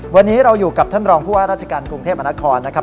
วันนี้เราอยู่กับท่านรองผู้ว่าราชการกรุงเทพมนครนะครับ